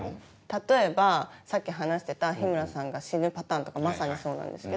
例えばさっき話してた日村さんが死ぬパターンとかまさにそうなんですけど。